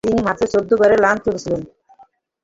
তিনি মাত্র চৌদ্দ গড়ে রান তুলেছিলেন।